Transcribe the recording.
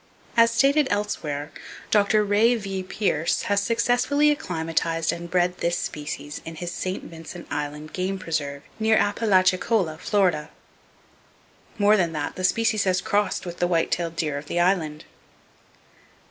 As stated elsewhere, Dr. Ray V. Pierce has successfully acclimatized and bred this species in his St. Vincent Island game preserve, near Apalachicola, Florida. More than that, the species has crossed with the white tailed deer of the Island.